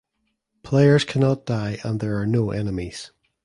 Players cannot die and there are no enemies.